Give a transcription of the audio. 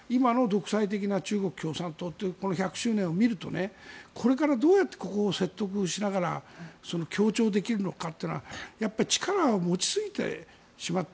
今の中国共産党のこの１００周年を見るとこれからどうやってここを説得しながら協調できるのかというのは力を持ちすぎてしまった。